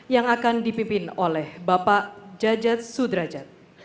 yang akan dipimpin oleh bapak jajat sudrajat